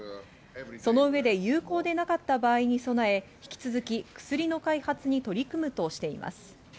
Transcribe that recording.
その上で有効でなかった場合に備え、引き続き薬の開発に取り組むとしています。